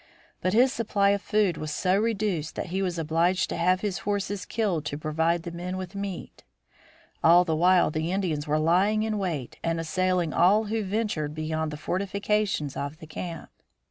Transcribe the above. But his supply of food was so reduced that he was obliged to have his horses killed to provide the men with meat. All the while the Indians were lying in wait and assailing all who ventured beyond the fortifications of the camp.